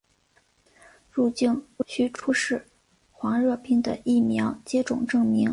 入境须出示黄热病的疫苗接种证明。